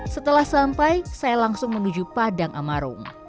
setelah sampai saya langsung menuju padang amarung